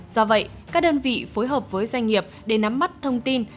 do vậy các đơn vị phối hợp với doanh nghiệp để nắm mắt thông tin